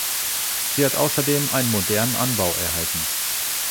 Sie hat außerdem einen modernen Anbau erhalten.